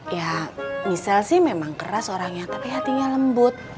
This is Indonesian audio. ya misale sih memang keras orangnya tapi hatinya lembut